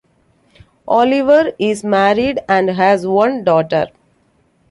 Oliver is married and has one daughter.